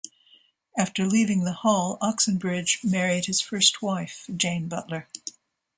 After leaving the Hall, Oxenbridge married his first wife, Jane Butler.